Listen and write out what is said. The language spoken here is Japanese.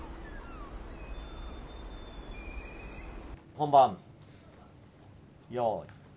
・本番用意